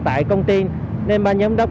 tại công ty nên ban giám đốc